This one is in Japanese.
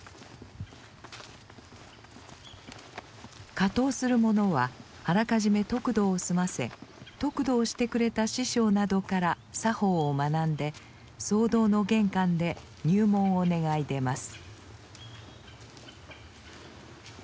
掛搭する者はあらかじめ得度を済ませ得度をしてくれた師匠などから作法を学んで僧堂の玄関で入門を願い出ます。